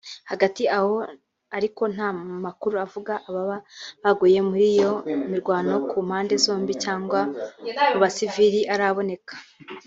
Hagati aho ariko nta makuru avuga ababa baguye muri iyo mirwano ku mpande zombi cyangwa mu basivili araboneka